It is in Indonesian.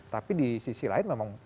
tapi di sisi lain memang